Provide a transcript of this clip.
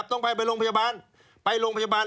ต้องไปไปโรงพยาบาลไปโรงพยาบาล